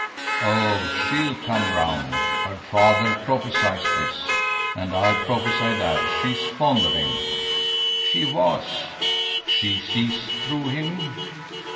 Oh, she'll come round. Her father prophesied this, and I'll prophesy that. She's fond of him." "She was." "She sees through him?"